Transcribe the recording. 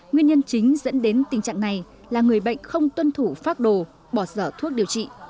nguyên nhân chính dẫn đến tình trạng này là người bệnh không tuân thủ phác đồ bỏ dở thuốc điều trị